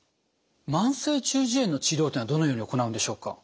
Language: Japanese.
慢性中耳炎の治療というのはどのように行うんでしょうか？